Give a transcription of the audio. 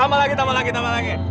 tambah lagi tambah lagi